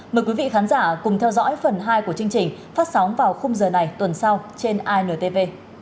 mời quý vị khán giả cùng theo dõi phần hai của chương trình phát sóng vào khung giờ này tuần sau trên intv